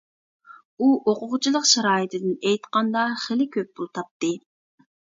ئۇ ئوقۇغۇچىلىق شارائىتىدىن ئېيتقاندا خېلى كۆپ پۇل تاپتى.